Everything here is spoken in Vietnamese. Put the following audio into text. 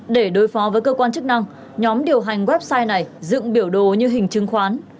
để đối phó với cơ quan chức năng nhóm điều hành website này dựng biểu đồ như hình chứng khoán